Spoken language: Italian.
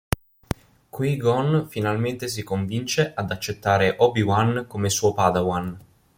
Qui-Gon finalmente si convince ad accettare Obi-Wan come suo padawan.